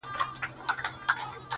راهب په کليسا کي مردار ښه دی، مندر نسته